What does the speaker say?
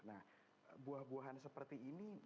nah buah buahan seperti ini